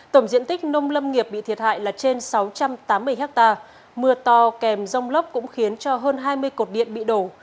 tổng diện tích nông lâm nghiệp bị thiệt hại là trên sáu trăm tám mươi ha mưa to kèm rông lốc cũng khiến cho hơn hai mươi cột điện bị đổ